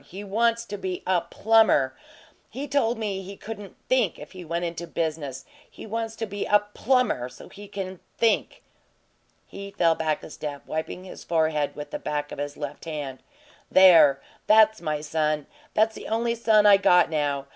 He wants to be a PLUMBER! He told me he couldn't THINK if he went into business he wants to be a plumber so he can THINK!" He fell back a step, wiping his forhead with the back of his left hand. "There! That's my son! That's the only son I got now!